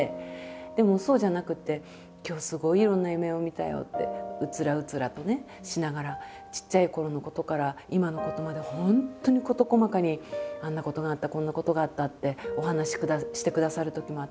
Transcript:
でもそうじゃなくて「今日すごいいろんな夢を見たよ」ってうつらうつらとねしながらちっちゃいころのことから今のことまで本当に事細かにあんなことがあったこんなことがあったってお話ししてくださるときもあって。